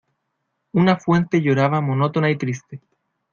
una fuente lloraba monótona y triste.